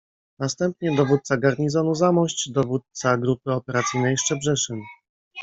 Następnie dowódca garnizonu Zamość, dowódca Grupy Operacyjnej Szczebrzeszyn.